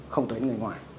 không tới người ngoài